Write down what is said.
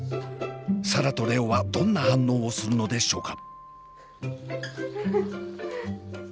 紗蘭と蓮音はどんな反応をするのでしょうか？